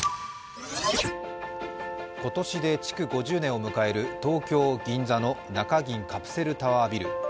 今年で築５０年を迎える東京・銀座の中銀カプセルタワービル。